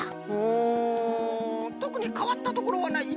うんとくにかわったところはない